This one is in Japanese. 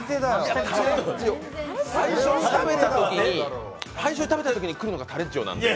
タレッジオ、最初に食べたときに来るのがタレッジオです。